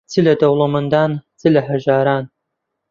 چ لە دەوڵەمەن، چ لە هەژاران